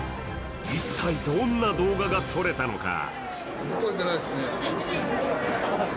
一体どんな動画が撮れたのか。